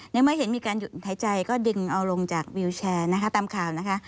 เมื่อเห็นมีการหยุดหายใจก็ดึงเอาลงจากวิวแชร์นะคะตามข่าวนะคะ